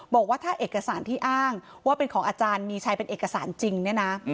บอกว่าถ้าเอกสารที่อ้างว่าเป็นของอาจารย์มีชัยเป็นเอกสารจริงเนี่ยนะ